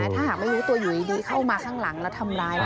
ถ้าอยากไม่รู้ตัวอยู่อีกดีเข้ามาข้างหลังและทำร้ายรายกาย